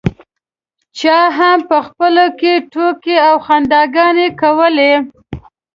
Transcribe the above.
چا هم په خپلو کې ټوکې او خنداګانې کولې.